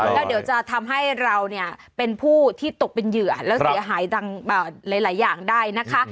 แล้วเดี๋ยวจะทำให้เราเนี่ยเป็นผู้ที่ตกเป็นเหยื่อแล้วเสียหายหลายอย่างได้นะคะ